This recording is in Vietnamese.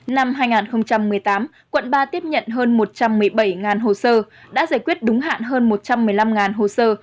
năm hai nghìn một mươi tám quận ba tiếp nhận hơn một trăm một mươi bảy hồ sơ đã giải quyết đúng hạn hơn một trăm một mươi năm hồ sơ